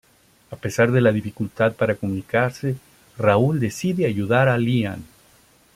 A pesar de la dificultad para comunicarse, Raúl decide ayudar a Lian.